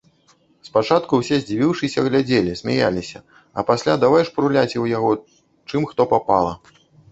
Спачатку ўсе здзівіўшыся глядзелі, смяяліся, а пасля давай шпурляць у яго чым хто папала.